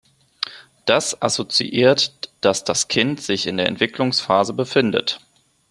Das assoziiert, dass das Kind sich in der Entwicklungsphase befindet.